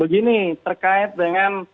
begini terkait dengan kasus dua lima miliar